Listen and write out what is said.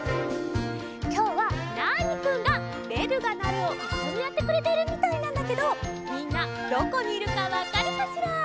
きょうはナーニくんが「べるがなる」をいっしょにやってくれているみたいなんだけどみんなどこにいるかわかるかしら？